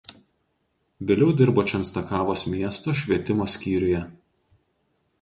Vėliau dirbo Čenstakavos miesto švietimo skyriuje.